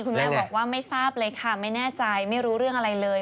คุณแม่บอกว่าไม่ทราบเลยค่ะไม่แน่ใจไม่รู้เรื่องอะไรเลย